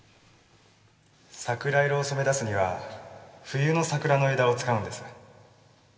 桜色を染め出すには冬の桜の枝を使うんです。